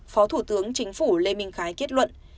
phó thủ tướng chính phủ lê minh khái kết luận